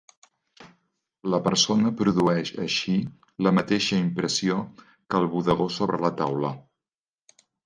La persona produeix, així, la mateixa impressió que el bodegó sobre la taula.